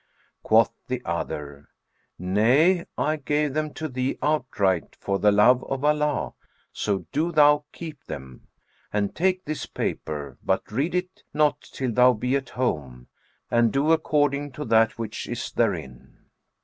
Quoth the other, "Nay; I gave them to thee outright, for the love of Allah; so do thou keep them. And take this paper, but read it not till thou be at home, and do according to that which is therein."